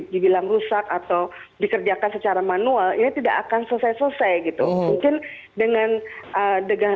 didatang rusak itu biar makhluk pantai followers di stay gitu pem minggu hoor nhem empom dan heyzab gunther zermatti congne dia pun tadi nfor desainer yap